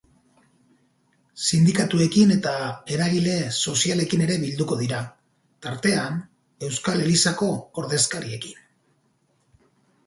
Sindikatuekin eta eragile sozialekin ere bilduko dira, tartean, euskal elizako ordezkariekin.